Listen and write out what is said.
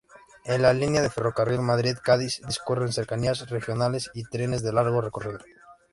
En la "Línea de ferrocarril Madrid-Cádiz" discurren cercanías, regionales y trenes de largo recorrido.